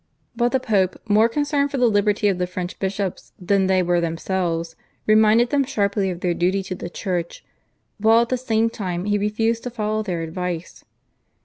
But the Pope, more concerned for the liberty of the French bishops than they were themselves, reminded them sharply of their duty to the Church, while at the same time he refused to follow their advice.